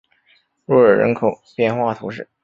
若尔人口变化图示